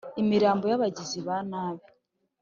Imirambo y abagizi ba nabi